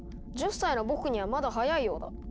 １０歳の僕にはまだ早いようだ」。